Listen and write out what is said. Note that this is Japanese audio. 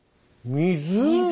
水。